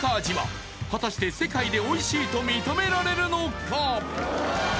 味は果たして世界でおいしいと認められるのか？